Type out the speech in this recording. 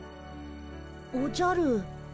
おじゃる。